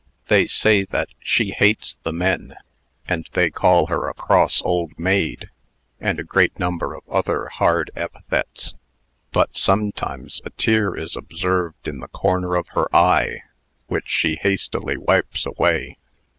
They say that she hates the men; and they call her a cross old maid, and a great number of other hard epithets. But, sometimes, a tear is observed in the corner of her eye, which she hastily wipes away.